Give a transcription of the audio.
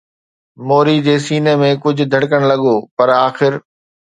موري جي سيني ۾ ڪجهه ڌڙڪڻ لڳو، پر آخر